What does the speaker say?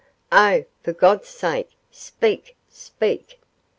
Oh, for God's sake, speak speak!